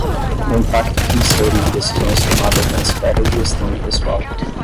do impacto financeiro de decisões tomadas na esfera de gestão de pessoal.